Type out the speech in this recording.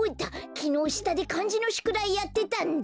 きのうしたでかんじのしゅくだいやってたんだ！